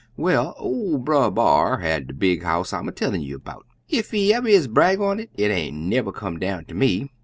Well, ol' Brer B'ar had de big house I'm a tellin' you about. Ef he y'ever is brag un it, it aint never come down ter me.